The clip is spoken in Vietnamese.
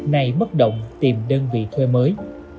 nay bất động tìm đơn vị thuê mới